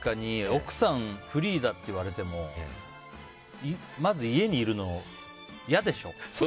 奥さんフリーだって言われてもまず家にいるのが嫌でしょ。